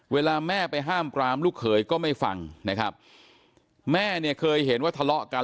เวลาแม่ไปห้ามกรามลูกเขยก็ไม่ฟังแม่เคยเห็นว่าทะเลาะกัน